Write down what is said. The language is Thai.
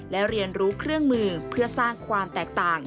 และเรียนรู้เครื่องมือเพื่อสร้างความแตกต่าง